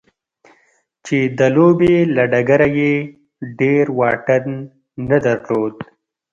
چې د لوبې له ډګره يې ډېر واټن نه درلود.